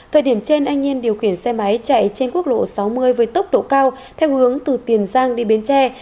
thời điểm trên anh yên điều khiển xe máy chạy trên quốc lộ sáu mươi với tốc độ cao theo hướng từ tiền giang đi bến tre